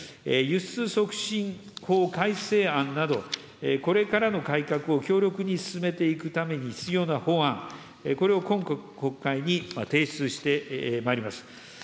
輸出促進法改正案など、これからの改革を強力に進めていくために必要な法案、これを今国会に提出してまいります。